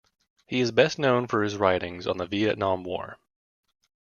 He is best known for his writings on the Vietnam War.